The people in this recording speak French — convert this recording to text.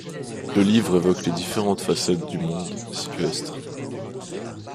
Le livre évoque les différentes facettes du monde sylvestre.